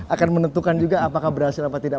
akan menentukan juga apakah berhasil atau tidak